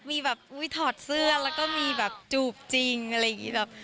มีแบบอุ๊ยถอดเสื้อแล้วก็มีแบบจูบจริงอะไรอย่างนี้แบบ